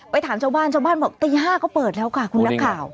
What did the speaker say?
ถามชาวบ้านชาวบ้านบอกตี๕ก็เปิดแล้วค่ะคุณนักข่าว